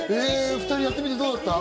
２人やってみてどうだった？